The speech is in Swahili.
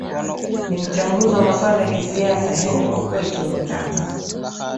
ni mchambuzi wa maswala ya kisiasa henry okoit omutata